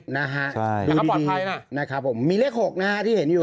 นะฮะดูดีดีมีเลข๖นะฮะที่เห็นอยู่